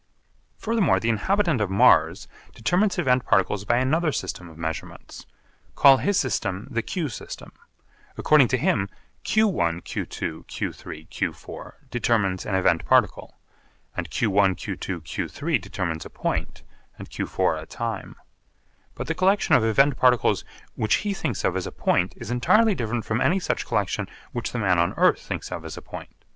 Furthermore the inhabitant of Mars determines event particles by another system of measurements. Call his system the q system. According to him (q₁, q₂, q₃, q₄) determines an event particle, and (q₁, q₂, q₃) determines a point and q₄ a time. But the collection of event particles which he thinks of as a point is entirely different from any such collection which the man on earth thinks of as a point.